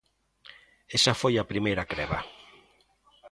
Esa foi a primeira creba.